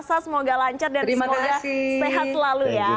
semoga lancar dan semoga sehat selalu ya